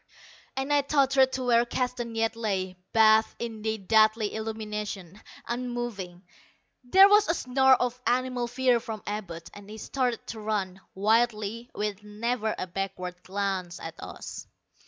and I tottered to where Keston yet lay, bathed in the deadly illumination, unmoving. There was a snarl of animal fear from Abud, and he started to run, wildly, with never a backward glance at us.